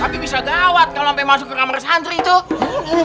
tapi bisa gawat kalau sampai masuk ke kamar santri itu